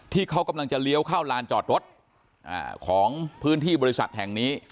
ที่เขากำลังจะเลี้ยวเข้าลานจอดรถของพื้นที่บริษัทแห่งนี้